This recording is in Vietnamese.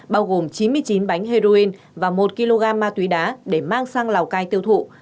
bao gồm chín mươi chín bánh heroin và một kg ma túy đá để mang sang lào cai tiêu thụ